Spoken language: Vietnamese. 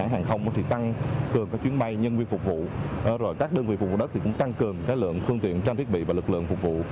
hàng không thì tăng cường các chuyến bay nhân viên phục vụ rồi các đơn vị phục vụ đất thì cũng tăng cường cái lượng phương tiện trang thiết bị và lực lượng phục vụ